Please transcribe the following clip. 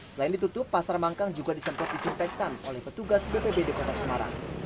selain ditutup pasar mangkang juga disempat disimpekkan oleh petugas bpb di kota semarang